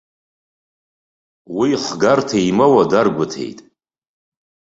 Уи хгарҭа имоуа даргәаҭеит.